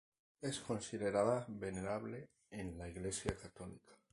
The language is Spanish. Es considerada venerable en la Iglesia católica.